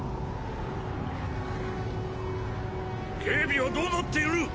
警備はどうなっている！